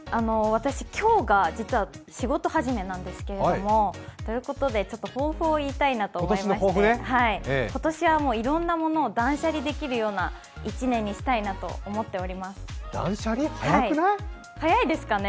私、今日が実は仕事始めなんですけど、抱負を言いたいなと思いまして、今年はいろんなものを断捨離できるような１年にしたいと思っています。